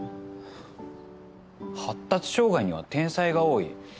「発達障害には天才が多い」